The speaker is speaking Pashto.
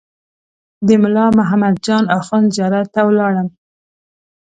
د ملا محمد جان اخوند زیارت ته ولاړم.